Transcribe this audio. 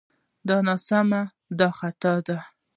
دا ناسمه دا خطا ده